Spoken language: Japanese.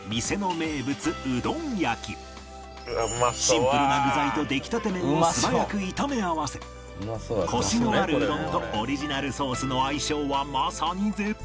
シンプルな具材と出来たて麺を素早く炒め合わせコシのあるうどんとオリジナルソースの相性はまさに絶品！